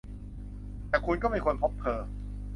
แต่คุณก็ไม่ควรพบเธอ !